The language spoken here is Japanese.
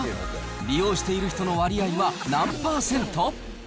利用している人の割合は何％？